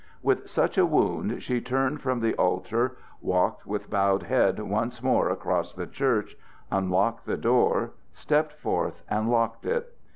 With such a wound she turned from the altar, walked with bowed head once more across the church, unlocked the door, stepped forth and locked it.